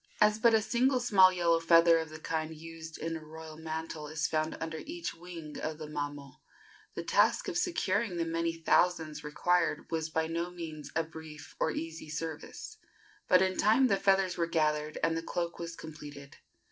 As but a single small yellow feather of the kind used in a royal mantle is found under each wing of the mamo, the task of securing the many thousands required was by no means a brief or easy service; but in time the feathers were gathered and the cloak was completed.